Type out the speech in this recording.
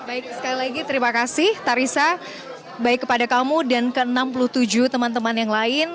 baik sekali lagi terima kasih tarisa baik kepada kamu dan ke enam puluh tujuh teman teman yang lain